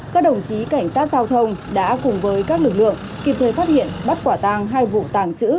các đồng chí cảnh sát giao thông đã cùng với các lực lượng kịp thời phát hiện bắt quả tang hai vụ tàng trữ